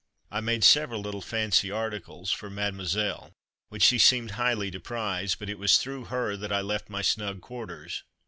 I made several little fancy articles for Mademoiselle which she seemed highly to prize; but it was through her that I left my snug quarters.